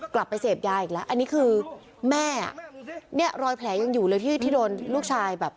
กลับไปเสพยาอีกแล้วอันนี้คือแม่อ่ะเนี่ยรอยแผลยังอยู่เลยที่ที่โดนลูกชายแบบ